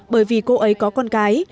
bởi vì cô ấy có con gái